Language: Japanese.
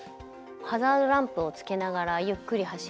ハザードランプをつけながらゆっくり走るみたいな。